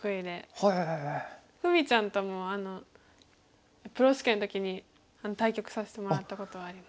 楓実ちゃんともプロ試験の時に対局させてもらったことはあります。